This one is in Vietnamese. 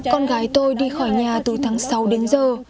con gái tôi đi khỏi nhà từ tháng sáu đến giờ